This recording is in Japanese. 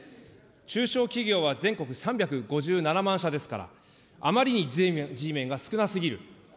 中小企業は全国３５７万社ですから、あまりにＧメンが少なすぎる。